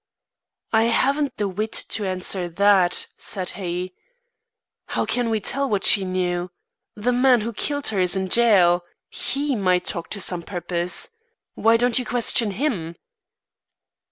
"I haven't the wit to answer that," said he. "How can we tell what she knew. The man who killed her is in jail. He might talk to some purpose. Why don't you question him?"